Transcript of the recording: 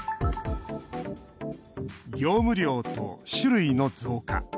業務量と種類の増加。